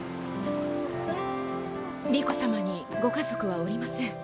理子様にご家族はおりません。